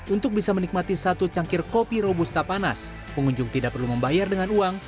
untuk bisa menikmati satu cangkir kopi robusta panas pengunjung tidak perlu membayar dengan uang